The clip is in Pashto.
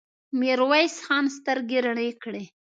ميرويس خان سترګې رڼې کړې.